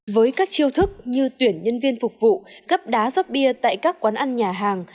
với các chiêu thức như tuyển nhân viên phục vụ gấp đá rót bia tại các quán ăn nhà hàng